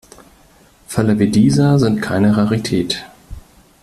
Fälle wie dieser sind keine Rarität.